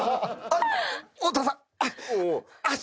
あっ！